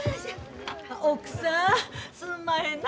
奥さんすんまへんな。